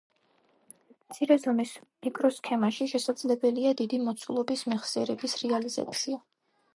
მცირე ზომის მიკროსქემაში შესაძლებელია დიდი მოცულობის მეხსიერების რეალიზაცია.